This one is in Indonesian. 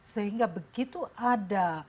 sehingga begitu ada